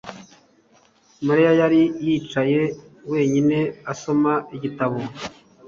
Mariya yari yicaye wenyine, asoma igitabo.